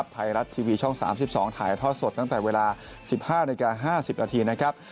ไทยรัฐทีวีช่อง๓๒ถ่ายทอดสดตั้งแต่เวลา๑๕นาฬิกา๕๐นาทีนะครับ